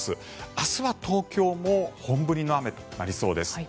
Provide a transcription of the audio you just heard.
明日は東京も本降りの雨となりそうです。